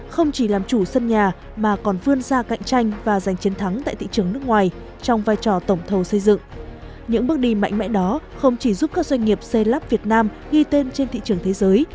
không chỉ giúp các doanh nghiệp xây lắp việt nam ghi tên trên thị trường thế giới